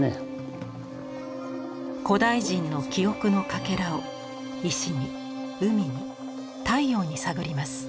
古代人の記憶のかけらを石に海に太陽に探ります。